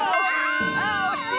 おしい！